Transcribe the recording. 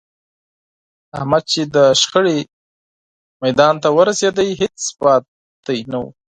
احمد چې د شخړې میدان ته ورسېد، هېڅ پاتې نه و.